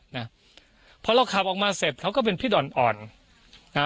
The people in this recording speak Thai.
นะพอเราขับออกมาเสร็จเขาก็เป็นพี่ดอ่อนอ่อนนะฮะ